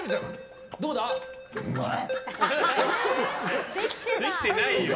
うまい。